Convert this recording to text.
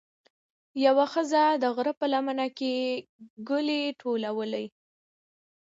یوه ښځه د غره په لمن کې ګلې ټولولې.